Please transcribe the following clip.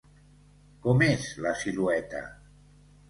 Com és la silueta?